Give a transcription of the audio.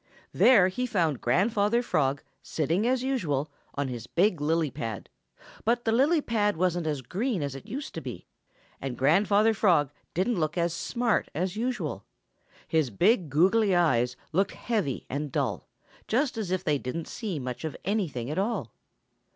There he found Grandfather Frog sitting as usual on his big lily pad, but the lily pad wasn't as green as it used to be, and Grandfather Frog didn't look as smart as usual. His big, goggly eyes looked heavy and dull, just as if they didn't see much of anything at all.